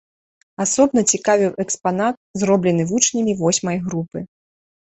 Асобна цікавіў экспанат, зроблены вучнямі восьмай групы.